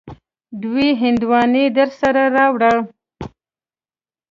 دوې هندواڼی درسره راوړه.